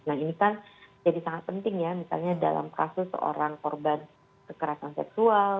nah ini kan jadi sangat penting ya misalnya dalam kasus seorang korban kekerasan seksual